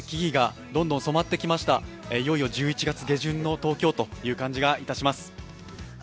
いよいよ１１月下旬の東京という感じがいたします。